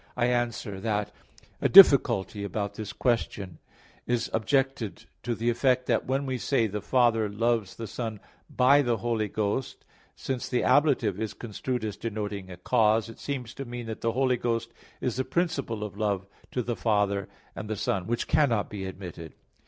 I answer that, A difficulty about this question is objected to the effect that when we say, "the Father loves the Son by the Holy Ghost," since the ablative is construed as denoting a cause, it seems to mean that the Holy Ghost is the principle of love to the Father and the Son; which cannot be admitted.